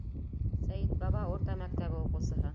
Сәйетбаба урта мәктәбе уҡыусыһы.